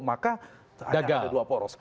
maka ada dua poros